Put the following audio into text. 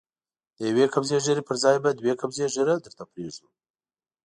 د يوې قبضې ږيرې پر ځای به دوې قبضې ږيره درته پرېږدو.